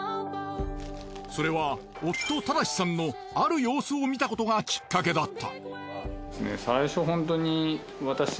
それは夫周士さんのある様子を見たことがきっかけだった。